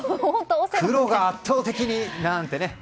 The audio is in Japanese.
黒が圧倒的になんてね。